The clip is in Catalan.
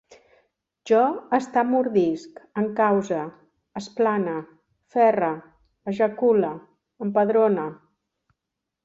Jo estamordisc, encause, esplane, ferre, ejacule, empadrone